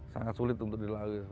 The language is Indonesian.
sangat sulit untuk dilalui